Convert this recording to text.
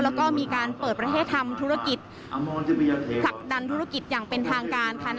แล้วก็มีการเปิดประเทศทำธุรกิจผลักดันธุรกิจอย่างเป็นทางการค่ะ